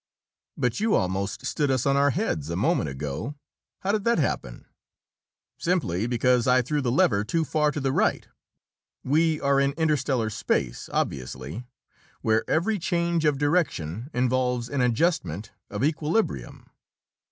"But you almost stood us on our heads, a moment ago! How did that happen?" "Simply because I threw the lever too far to the right. We are in interstellar space, obviously, where every change of direction involves an adjustment of equilibrium."